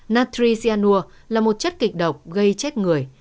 natri sianua là một chất kịch độc gây chết người